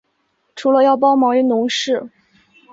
除了要帮忙农事